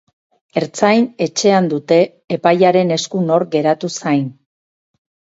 Ertzain-etxean dute, epailearen esku nor geratu zain.